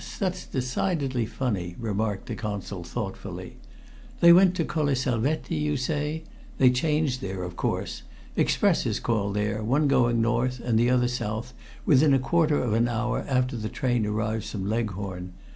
That's decidedly funny," remarked the Consul thoughtfully. "They went to Colle Salvetti, you say? They changed there, of course. Expresses call there, one going north and the other south, within a quarter of an hour after the train arrives from Leghorn.